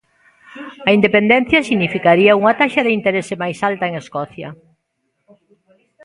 "A independencia significaría unha taxa de interese máis alta en Escocia".